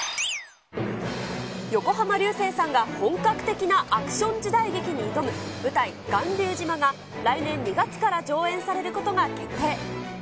横浜流星さんが本格的なアクション時代劇に挑む舞台、巌流島が来年２月から上演されることが決定。